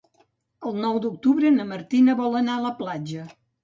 El nou d'octubre na Martina vol anar a la platja.